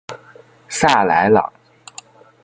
萨莱朗。